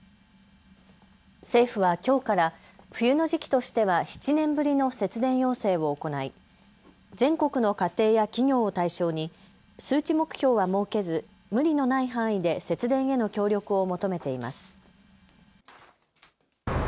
政府はきょうから冬の時期としては７年ぶりの節電要請を行い全国の家庭や企業を対象に数値目標は設けず無理のない範囲で節電への協力を求めています。